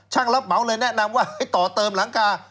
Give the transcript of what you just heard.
รับเหมาเลยแนะนำว่าให้ต่อเติมหลังคา